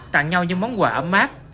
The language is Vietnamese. tặng nhau những món quà ấm mát